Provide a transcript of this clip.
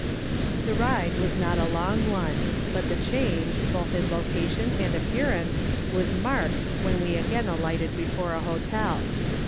The ride was not a long one, but the change, both in location and appearance, was marked when we again alighted before a hotel.